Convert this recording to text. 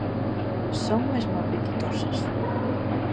Son mesmo apetitosas.